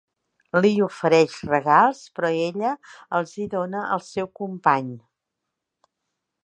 Li ofereix regals però ella els hi dóna al seu company.